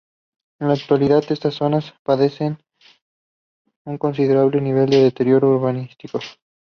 En la actualidad estas zonas padecen un considerable nivel de deterioro urbanístico.